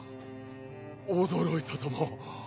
驚いたとも。